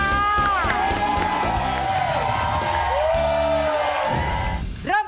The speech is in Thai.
เริ่มครับ